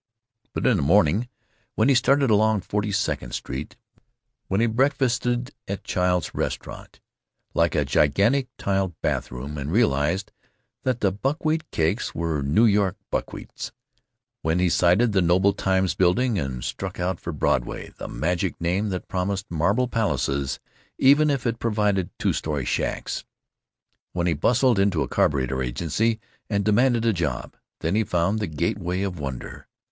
But in the morning, when he stared along Forty second Street; when he breakfasted at a Childs' restaurant, like a gigantic tiled bath room, and realized that the buckwheat cakes were New York buckwheats; when he sighted the noble Times Building and struck out for Broadway (the magic name that promised marble palaces, even if it provided two story shacks); when he bustled into a carburetor agency and demanded a job—then he found the gateway of wonder.